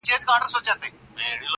موسیقي، قمار، شراب هر څه یې بند کړل٫